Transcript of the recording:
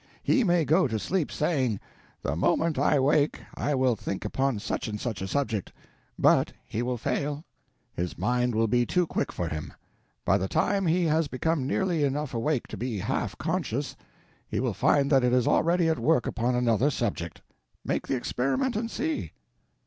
He may go to sleep saying, "The moment I wake I will think upon such and such a subject," but he will fail. His mind will be too quick for him; by the time he has become nearly enough awake to be half conscious, he will find that it is already at work upon another subject. Make the experiment and see.